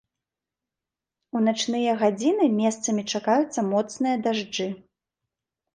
У начныя гадзіны месцамі чакаюцца моцныя дажджы.